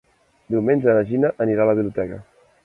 Diumenge na Gina anirà a la biblioteca.